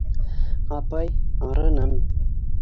— Апай, арыным!